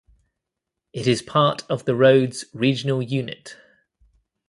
It is part of the Rhodes regional unit.